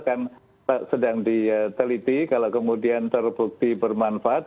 kan sedang diteliti kalau kemudian terbukti bermanfaat